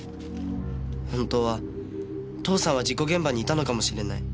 本当は父さんは事故現場にいたのかもしれない。